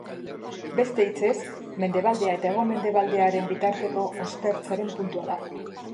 Beste hitzez, mendebaldea eta hego-mendebaldearen bitarteko ostertzaren puntua da.